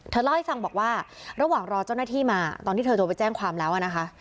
เล่าให้ฟังบอกว่าระหว่างรอเจ้าหน้าที่มาตอนที่เธอโทรไปแจ้งความแล้วนะคะ